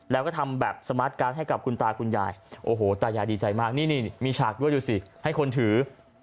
แล้วก็ทำแบบสมาร์ทการ์ดให้กับคุณตาคุณยายโอ้โหตายายดีใจมากนี่มีฉากด้วยดูสิให้คนถือ